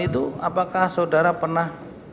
itu apakah saudara pernah